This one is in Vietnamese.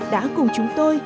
đã cùng chúng tôi